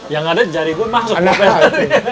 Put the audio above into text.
yang ada jari gue masuk